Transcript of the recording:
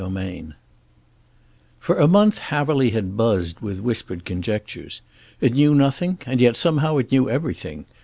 XXXII For a month Haverly had buzzed with whispered conjectures. It knew nothing, and yet somehow it knew everything.